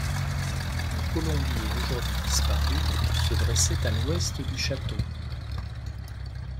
Un colombier aujourd'hui disparu se dressait à l'ouest du château.